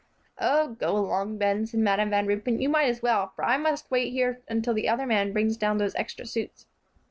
"Oh, go along, Ben," said Madam Van Ruypen; "you might as well, for I must wait here until the other man brings down those extra suits."